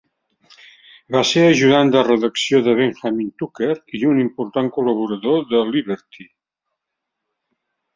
Va ser ajudant de redacció de Benjamin Tucker i un important col·laborador de "Liberty".